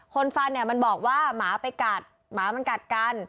คนฟังมันบอกว่าหมาไปกลัดหมามันกลัดกัน